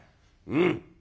うん。